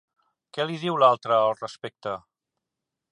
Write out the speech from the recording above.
Què li diu l'altre al respecte?